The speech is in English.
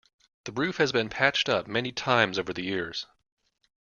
The roof has been patched up many times over the years.